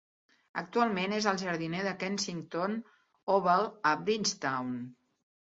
Actualment és el jardiner de Kensington Oval a Bridgetown.